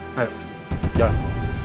kita turun sekarang